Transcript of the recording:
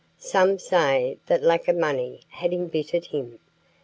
Some say that lack of money had embittered him.